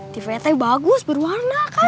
tvt bagus berwarna kan